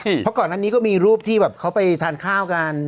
เพราะก่อนอันนี้ก็มีรูปที่แบบเขาไปทานข้าวกัน